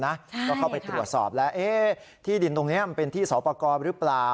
ก็เข้าไปตรวจสอบแล้วที่ดินตรงนี้มันเป็นที่สอบประกอบหรือเปล่า